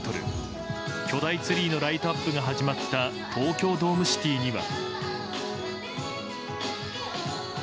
巨大ツリーへのライトアップが始まった東京ドームシティには。